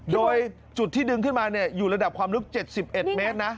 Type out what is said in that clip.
โดยจุดที่ดึงขึ้นมาอยู่ระดับความลึก๗๑เมตรนะ